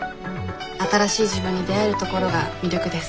新しい自分に出会えるところが魅力です。